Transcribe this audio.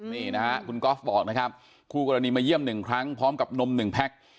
นี่นะครับคุณกรอฟบอกนะครับคู่กรณีมาเยี่ยมหนึ่งครั้งพร้อมกับนมหนึ่งแพ็ค